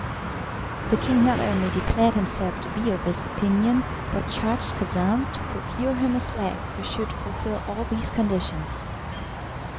The king not only declared himself to be of this opinion, but charged Khacan to procure him a slave who should fulfil all these conditions.